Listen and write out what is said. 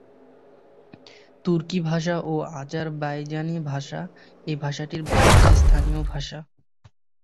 তুর্কি ভাষা ও আজারবাইজানি ভাষা এই ভাষাটির ভ্রাতৃস্থানীয় ভাষা।